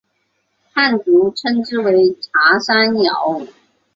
汉族称之为茶山瑶。